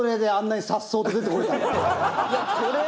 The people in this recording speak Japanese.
いやこれ。